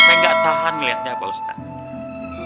sampai gak tahan melihatnya pak ustadz